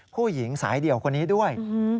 ผู้หญิงสายเดี่ยวคนนี้ด้วย